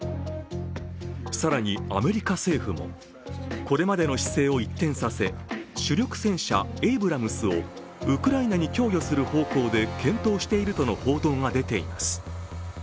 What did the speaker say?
更に、アメリカ政府も、これまでの姿勢を一転させ主力戦車・エイブラムスをウクライナに供与する方向で検討しているとの報道が出ています。